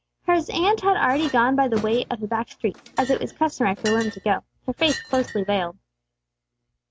His aunt had already gone by the way of the back streets, as it was customary for women to go, her face closely veiled.